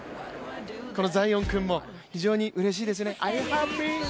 ザイオン君も非常にうれしいですね。